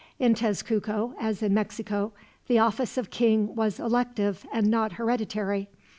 In Tezcuco, as in Mexico, the office of king was elective and not hereditary.